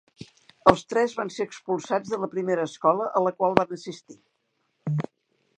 Els tres van ser expulsats de la primera escola a la qual van assistir.